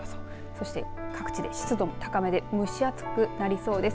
そして各地で湿度も高めで蒸し暑くなりそうです。